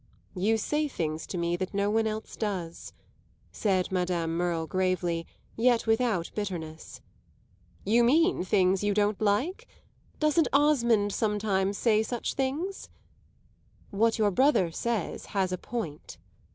"You say things to me that no one else does," said Madame Merle gravely, yet without bitterness. "You mean things you don't like? Doesn't Osmond sometimes say such things?" "What your brother says has a point."